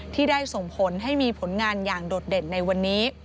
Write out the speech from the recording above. ที่ได้ส่งผลให้มีผลงานอย่างโดดเด่นในวันนี้